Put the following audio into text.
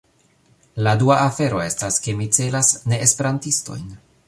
La dua afero estas, ke mi celas ne-Esperantistojn.